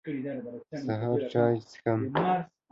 سهار چاي څښم.